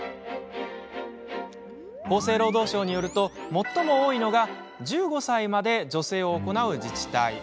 厚生労働省によると最も多いのが１５歳まで助成を行う自治体。